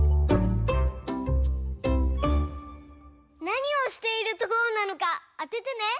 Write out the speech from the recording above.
なにをしているところなのかあててね。